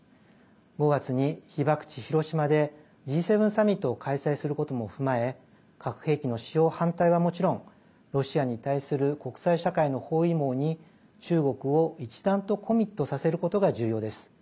５月に被爆地・広島でＧ７サミットを開催することも踏まえ核兵器の使用反対はもちろんロシアに対する国際社会の包囲網に中国を一段とコミットさせることが重要です。